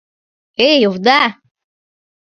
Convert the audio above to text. Эй, овда!..